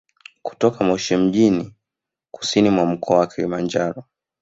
Kutoka Moshi mjini kusini mwa mkoa wa Kilimanjaro